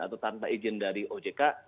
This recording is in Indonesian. atau tanpa izin dari ojk